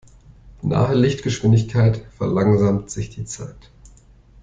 Nahe Lichtgeschwindigkeit verlangsamt sich die Zeit.